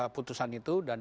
putusan itu dan